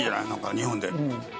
日本で。